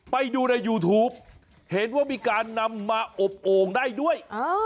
ไปดูในยูทูปเห็นว่ามีการนำมาอบโอ่งได้ด้วย